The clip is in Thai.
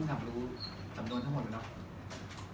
กุ้มทำดวนทั้งหมดหรือเนาะ